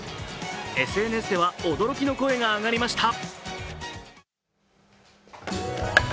ＳＮＳでは驚きの声が上がりました。